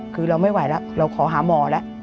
คือเราไม่ไหวแล้วเราขอหาหมอแล้ว